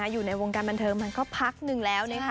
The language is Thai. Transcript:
อยู่ในวงการบันเทิงมาก็พักหนึ่งแล้ว